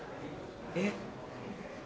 えっ。